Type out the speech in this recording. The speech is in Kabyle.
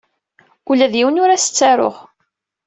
Ula d yiwen ur as-ttaruɣ.